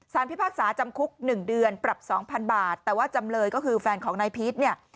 พิพากษาจำคุก๑เดือนปรับสองพันบาทแต่ว่าจำเลยก็คือแฟนของนายพีชเนี่ย